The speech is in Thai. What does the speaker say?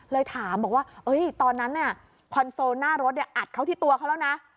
เลยถามบอกว่าตอนนั้นคอนโซลหน้ารถอัดเขาที่ตัวเขาแล้วนะ